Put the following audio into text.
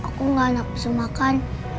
aku tidak nafsu makan